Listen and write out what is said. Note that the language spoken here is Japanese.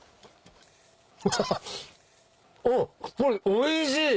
おいしい！